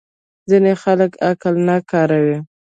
ځینې خلک عقل نه کاروي.